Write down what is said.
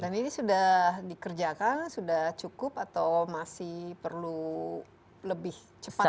dan ini sudah dikerjakan sudah cukup atau masih perlu lebih cepat lagi